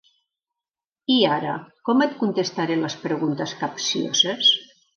I ara, com et contestaré les preguntes capcioses?